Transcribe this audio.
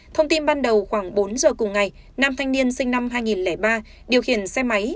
thông tin ban đầu khoảng bốn giờ cùng ngày nam thanh niên sinh năm hai nghìn ba điều khiển xe máy